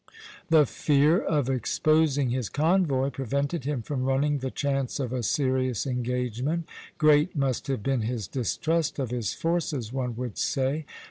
The fear of exposing his convoy prevented him from running the chance of a serious engagement. Great must have been his distrust of his forces, one would say.